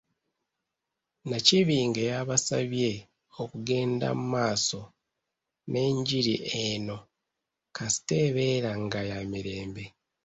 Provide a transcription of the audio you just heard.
Nakibinge yabasabye okugenda mu maaso n’enjiri eno kasita ebeera nga ya mirembe.